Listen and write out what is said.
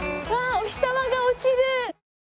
お日様が落ちる！